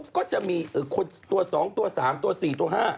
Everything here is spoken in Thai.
ก็จะมีตัวสองตัวสามตัวสี่ตัวห้า